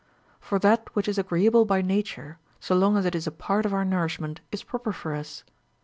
For that which is agreeable by nature, so long as it is a part of our nourishment, is proper for us.